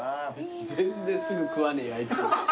全然すぐ食わねえあいつ。